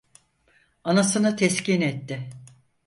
Anasını teskin etti.